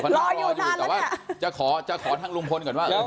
รออยู่นานแล้วเนี้ยแต่ว่าจะขอจะขอทั้งลุงพลก่อนว่า